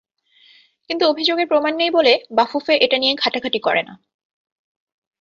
কিন্তু অভিযোগের প্রমাণ নেই বলে বাফুফে এটা নিয়ে ঘাঁটাঘাঁটি করে না।